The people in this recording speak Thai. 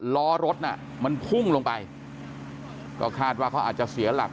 ล้อรถน่ะมันพุ่งลงไปก็คาดว่าเขาอาจจะเสียหลัก